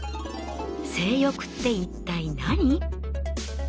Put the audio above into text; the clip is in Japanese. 性欲って一体何？